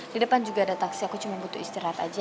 di depan juga ada taksi aku cuma butuh istirahat aja